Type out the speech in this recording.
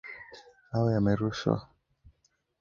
Mawe yamerushwa.